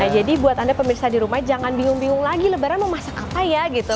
buat anda pemirsa di rumah jangan bingung bingung lagi lebaran mau masak apa ya gitu